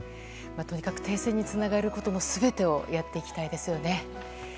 とにかく停戦につながることの全てをやっていきたいですよね。